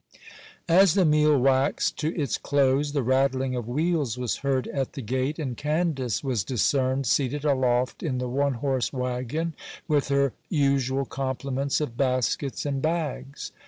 As the meal waxed to its close, the rattling of wheels was heard at the gate, and Candace was discerned, seated aloft in the one horse waggon, with her usual complements of baskets and bags.